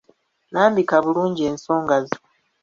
Lambika bulungi ensonga zo.